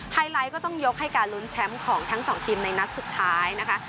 ไลท์ก็ต้องยกให้การลุ้นแชมป์ของทั้งสองทีมในนัดสุดท้ายนะคะ